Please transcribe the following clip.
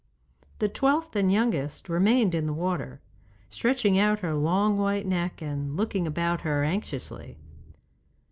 The twelfth and youngest remained in the water, stretching out her long white neck and looking about her anxiously.